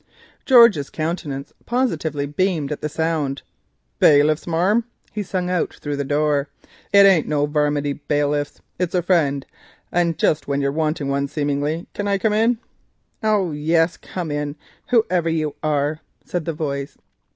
George's countenance positively beamed at the sound. "Bailiffs, marm?" he called through the door—"it ain't no varminty bailiffs, it's a friend, and just when you're a wanting one seemingly. Can I come in?" "Oh, yes, come in, whoever you are," said the voice.